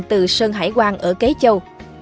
từ sơn hải quang ở kế châu